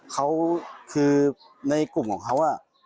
เขาคือในกลุ่มของเขา